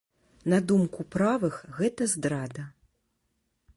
На думку правых, гэта здрада.